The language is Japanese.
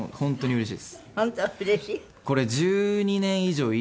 うれしい。